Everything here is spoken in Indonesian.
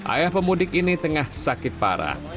ayah pemudik ini tengah sakit parah